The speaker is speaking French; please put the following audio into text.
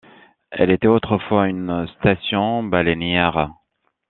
Elle était autrefois une station baleinière.